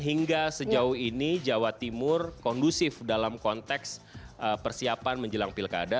hingga sejauh ini jawa timur kondusif dalam konteks persiapan menjelang pilkada